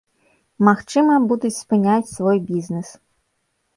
Магчыма, будуць спыняць свой бізнэс.